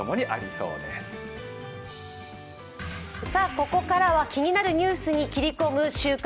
ここからは気になるニュースに切り込む「週刊！